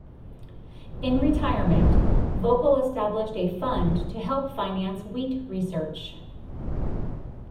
In retirement, Vogel established a fund to help finance wheat research.